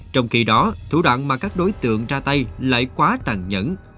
trong khi đó thủ đoạn mà các đối tượng ra tay lại quá tàn nhẫn